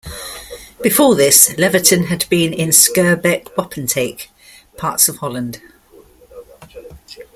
Before this, Leverton had been in Skirbeck Wapentake, Parts of Holland.